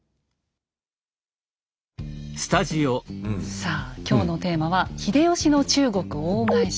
さあ今日のテーマは「秀吉の中国大返し」。